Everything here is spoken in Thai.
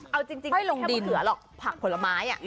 ไม่ใช่แค่มะเขือหรอกผักผลไม้อ่ะ